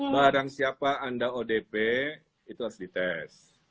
barang siapa anda odp itu harus dites